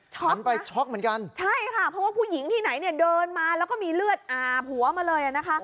หันไปช็อกเหมือนกันใช่ค่ะเพราะว่าผู้หญิงที่ไหนเนี่ยเดินมาแล้วก็มีเลือดอาบหัวมาเลยอ่ะนะคะ